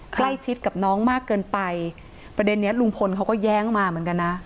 ใกล้ชิดกับน้องมากเกินไปประเด็นนี้ลุงพลเขาก็แย้งมาเหมือนกันนะ